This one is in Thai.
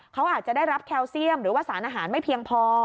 เขาอาจจะได้รับแคลเซียมหรือว่าสารอาหารไม่เพียงพอ